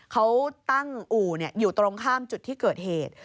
เขาตั้งอู่อยู่ตรงข้ามจุดที่เกิดเหตุ